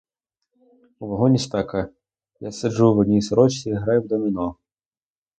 У вагоні спека, я сиджу в одній сорочці і граю в доміно.